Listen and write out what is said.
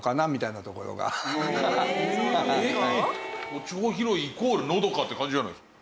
『落ち穂拾い』イコールのどかって感じじゃないですか。